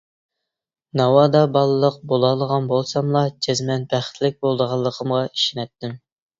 ناۋادا بالىلىق بولالىغان بولساملا جەزمەن بەختلىك بولىدىغانلىقىمغا ئىشىنەتتىم.